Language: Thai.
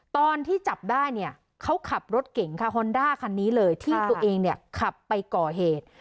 ตอนที่จับได้เนี่ยเขาขับรถเก่งค่ะฮอนด้าคันนี้เลยที่ตัวเองเนี่ยขับไปก่อเหตุ